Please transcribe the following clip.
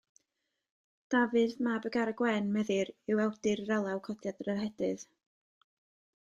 Dafydd, mab y Garreg Wen, meddir, yw awdur yr alaw Codiad yr Ehedydd.